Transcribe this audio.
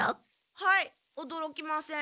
はいおどろきません。